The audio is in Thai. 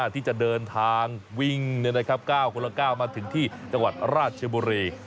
ที่จะเดินทางวิ่ง๙คนละ๙มาถึงที่จังหวัดราชบุรี